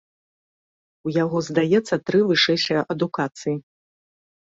У яго, здаецца, тры вышэйшыя адукацыі.